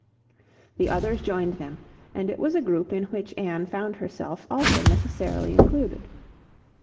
The others joined them, and it was a group in which Anne found herself also necessarily included.